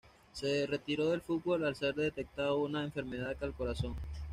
Se retiró del fútbol al serle detectado una enfermedad al corazón.